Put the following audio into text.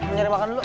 mencari makan dulu